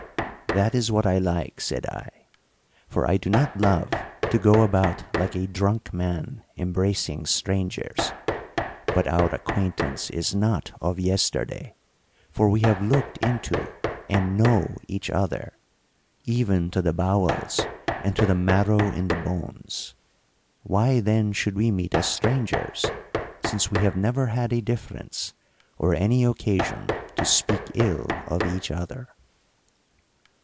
"'That is what I like,' said I; 'for I do not love to go about like a drunk man embracing strangers. But our acquaintance is not of yesterday, for we have looked into and know each other, even to the bowels and to the marrow in the bones. Why, then, should we meet as strangers, since we have never had a difference, or any occasion to speak ill of each other?'